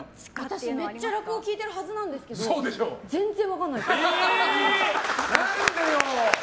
私、めっちゃ落語聞いてるはずなんですけど全然分かんないです。